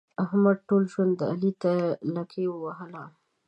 احمد ټول ژوند علي ته لکۍ ووهله.